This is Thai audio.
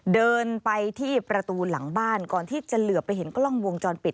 เดินไปที่ประตูหลังบ้านก่อนที่จะเหลือไปเห็นกล้องวงจรปิด